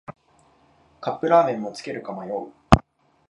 カップラーメンもつけるか迷う